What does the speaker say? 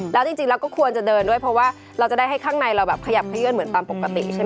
แล้วจริงเราก็ควรจะเดินด้วยเพราะว่าเราจะได้ให้ข้างในเราแบบขยับขยื่นเหมือนตามปกติใช่ไหม